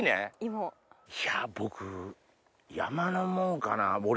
いや僕山のもんかな。